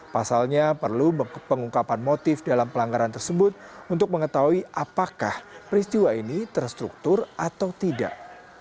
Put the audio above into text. pasalnya perlu pengungkapan motif dalam pelanggaran tersebut untuk mengetahui apakah peristiwa ini terstruktur atau tidak